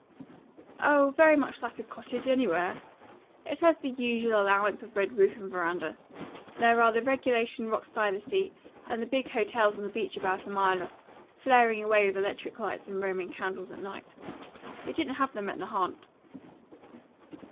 "Oh, very much like a 'cottage' anywhere. It has the usual allowance of red roof and veranda. There are the regulation rocks by the sea; and the big hotels on the beach about a mile off, flaring away with electric lights and roman candles at night. We didn't have them at Nahant."